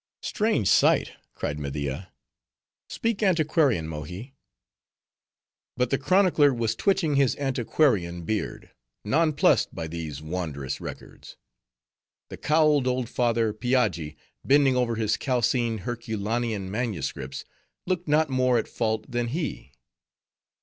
"Strange sight!" cried Media. "Speak, antiquarian Mohi." But the chronicler was twitching his antiquarian beard, nonplussed by these wondrous records. The cowled old father, Piaggi, bending over his calcined Herculanean manuscripts, looked not more at fault than he.